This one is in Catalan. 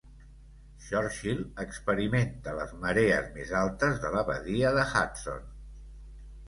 Churchill experimenta les marees més altes de la Badia de Hudson.